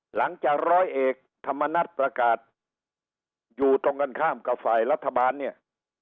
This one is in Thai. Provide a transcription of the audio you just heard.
ร้อยเอกธรรมนัฏประกาศอยู่ตรงกันข้ามกับฝ่ายรัฐบาลเนี่ย